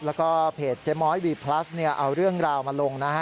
แล้วก็เพจเจ๊ม้อยวีพลัสเนี่ยเอาเรื่องราวมาลงนะฮะ